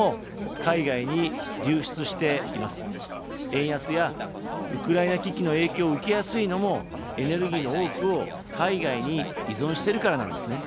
円安やウクライナ危機の影響を受けやすいのも、エネルギーの多くを海外に依存してるからなんですね。